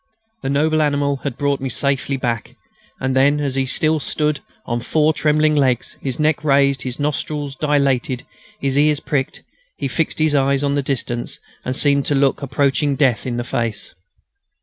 The noble animal had brought me back safely, and then, as he stood still on his four trembling legs, his neck raised, his nostrils dilated, his ears pricked, he fixed his eyes on the distance and seemed to look approaching death in the face.